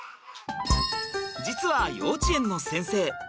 実は幼稚園の先生。